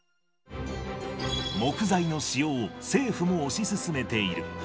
木材の使用を政府も推し進めている。